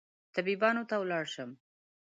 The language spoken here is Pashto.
طبيبانو ته ولاړ شم